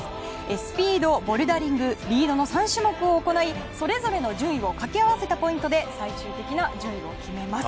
スピード、ボルダリングリードの３種目を行いそれぞれの順位を掛け合わせたポイントで最終的な順位を決めます。